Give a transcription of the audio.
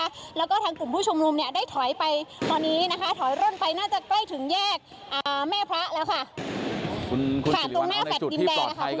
แล้วก็ทางกลุ่มผู้ชุมนุมเนี่ยได้ถอยไปตอนนี้นะคะถอยร่นไปน่าจะใกล้ถึงแยกแม่พระแล้วค่ะ